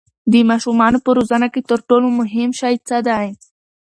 د ماشومانو په روزنه کې تر ټولو مهم شی څه دی؟